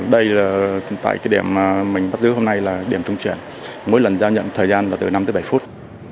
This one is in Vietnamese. đây là điểm trung chuyển mỗi lần giao nhận thời gian từ năm đến bảy phút